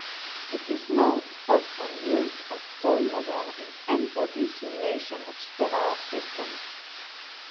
It is now often used as toy model in N-body simulations of stellar systems.